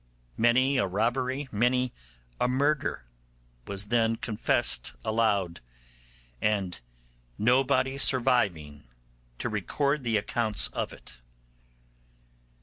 Many a robbery, many a murder, was then confessed aloud, and nobody surviving to record the accounts of it.